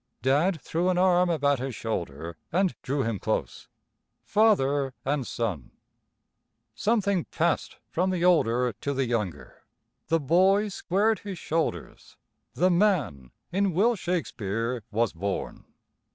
Dad threw an arm about his shoulder and drew him close father and son. Something passed from the older to the younger. The boy squared his shoulders. The man in Will Shakespeare was born.